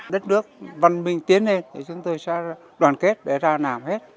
đất nước văn minh tiến lên thì chúng tôi sẽ đoàn kết để ra làm hết